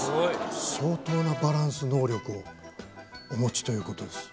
相当なバランス能力をお持ちということです。